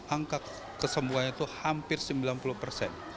angka kesembuhannya itu hampir sembilan puluh persen